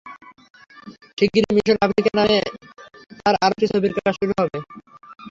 শিগগিরই mission Africa নামে তাঁর আরও একটি ছবির কাজ শুরু হবে।